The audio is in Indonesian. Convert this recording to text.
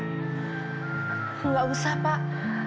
nggak usah pak